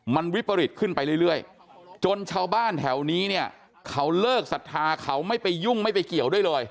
มันวิปริตขึ้นไปเรื่อยจนชาวบ้านแถวนี้เนี่ยเขาเลิกศรัทธาเขาไม่ไปยุ่งไม่ไปเกี่ยวด้วยเลย